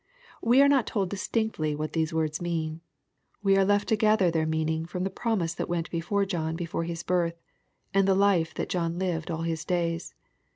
We are not told distinctly what these words mean. We are left to gather their meaning from the promise that went before John before his birth, and the life that John lived all his days.